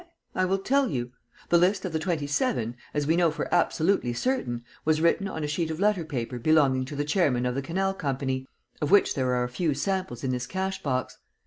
I will tell you. The list of the Twenty seven, as we know for absolutely certain, was written on a sheet of letter paper belonging to the chairman of the Canal Company, of which there are a few samples in this cash box.